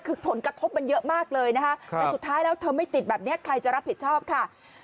คือผลกระทบมันเยอะมากเลยนะคะแต่สุดท้ายแล้วเธอไม่ติดแบบนี้ใครจะรับผิดชอบค่ะ